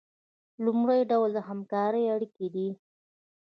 لومړی ډول د همکارۍ اړیکې دي.